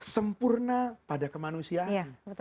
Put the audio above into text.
sempurna pada kemanusiaan